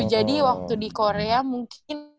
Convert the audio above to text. jadi waktu di korea mungkin